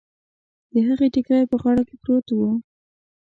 د هغې ټکری په غاړه کې پروت و.